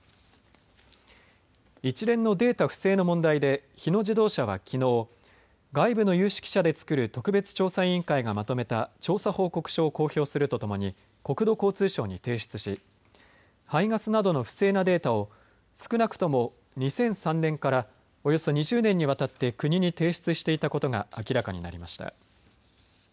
一連のデータ不正の問題で日野自動車はきのう、外部の有識者で作る特別調査委員会がまとめた調査報告書を公表するとともに国土交通省に提出し排ガスなどの不正なデータを少なくとも２００３年からおよそ２０年にわたって国に提出していたことが明らかになりました。